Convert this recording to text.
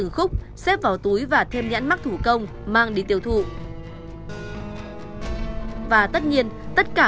không thì em phải in túi em mang tới chỉ đóng ra